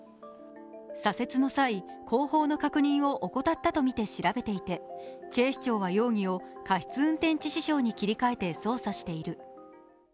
左折の際、後方の確認を怠ったと見て調べていて警視庁は容疑を過失運転致死傷に切り替えて捜査している。